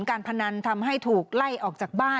การพนันทำให้ถูกไล่ออกจากบ้าน